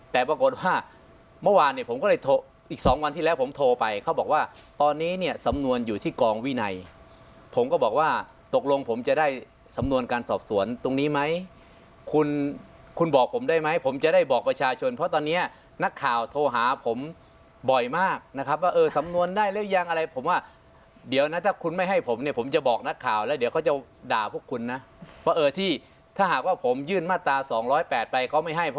แต่ปรากฏว่าเมื่อวานเนี่ยผมก็เลยโทรอีกสองวันที่แล้วผมโทรไปเขาบอกว่าตอนนี้เนี่ยสำนวนอยู่ที่กองวินัยผมก็บอกว่าตกลงผมจะได้สำนวนการสอบสวนตรงนี้ไหมคุณคุณบอกผมได้ไหมผมจะได้บอกประชาชนเพราะตอนเนี้ยนักข่าวโทรหาผมบ่อยมากนะครับว่าเออสำนวนได้แล้วยังอะไรผมว่าเดี๋ยวนะถ้าคุณไม่ให้ผมเนี่ยผมจะบอกนักข